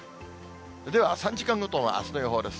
では３時間ごとのあすの予想です。